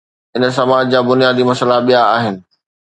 هن سماج جا بنيادي مسئلا ٻيا آهن.